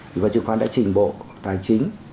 ủy ban chứng khoán đã trình bộ tài chính